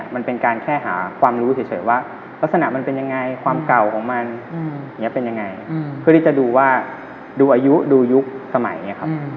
มันเป็นการแค่หาความรู้เฉยว่ารักษณะมันเป็นยังไง